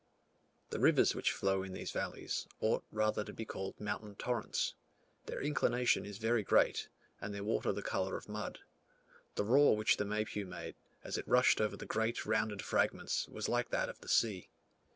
The rivers which flow in these valleys ought rather to be called mountain torrents. Their inclination is very great, and their water the colour of mud. The roar which the Maypu made, as it rushed over the great rounded fragments, was like that of the sea.